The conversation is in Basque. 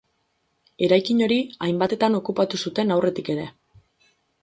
Eraikin hori hainbatetan okupatu zuten aurretik ere.